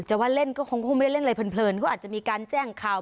ว่าเล่นก็คงไม่ได้เล่นอะไรเพลินเขาอาจจะมีการแจ้งข่าว